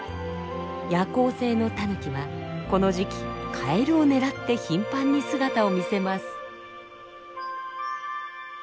夜行性のタヌキはこの時期カエルを狙って頻繁に姿を見せます。